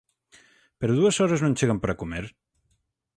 ¿Pero dúas horas non chegan para comer?